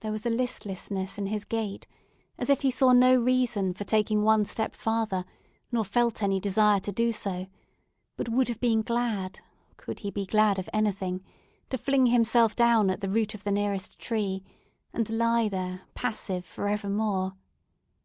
There was a listlessness in his gait, as if he saw no reason for taking one step further, nor felt any desire to do so, but would have been glad, could he be glad of anything, to fling himself down at the root of the nearest tree, and lie there passive for evermore.